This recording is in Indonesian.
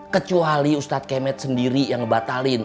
kecuali ustadz kemet sendiri yang ngebatalin